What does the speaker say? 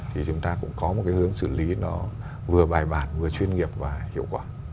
thì chúng ta cũng có một cái hướng xử lý nó vừa bài bản vừa chuyên nghiệp và hiệu quả